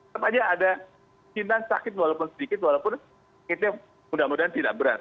tepatnya ada cinta sakit walaupun sedikit walaupun itu mudah mudahan tidak berat